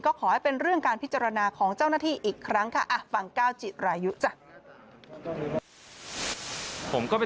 ก็ขอให้เป็นเรื่องการพิจารณาของเจ้าหน้าที่อีกครั้งค่ะ